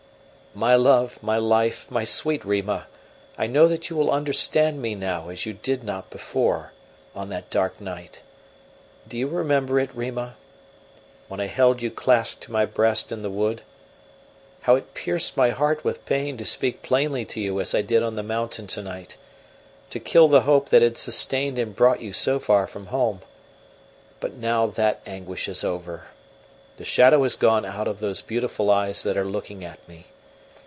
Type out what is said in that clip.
"My love, my life, my sweet Rima, I know that you will understand me now as you did not before, on that dark night do you remember it, Rima? when I held you clasped to my breast in the wood. How it pierced my heart with pain to speak plainly to you as I did on the mountain tonight to kill the hope that had sustained and brought you so far from home! But now that anguish is over; the shadow has gone out of those beautiful eyes that are looking at me.